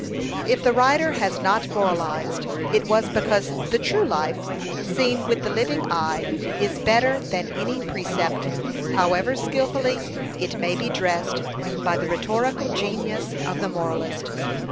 If the writer has not "moralized," it was because the true life, seen with the living eye, is better than any precept, however skilfully it may be dressed by the rhetorical genius of the moralist.